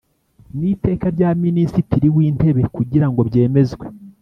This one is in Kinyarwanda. n iteka rya Minisitiri w intebe kugira ngo byemezwe